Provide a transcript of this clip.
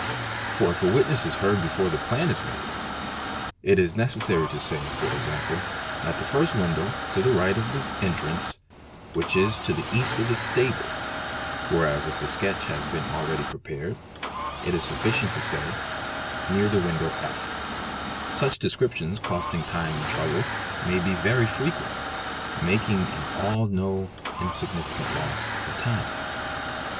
For if a witness is heard before the plan is made,:it is necessary to say, for example, "at the first window, to the right of the er trance, which is to the east of the stable'', whereas if the sketch has been already prepared it is sufficient to say, "near the window FE". LAP ANNAN (6 WERT! Bie 'h tee SY) Fe wan alg 5 RP batt Such descriptions, costing time and trouble, may be very frequent, mak ing in all no insignificant loss of time.